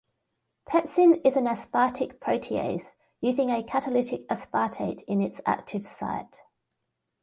Pepsin is an aspartic protease, using a catalytic aspartate in its active site.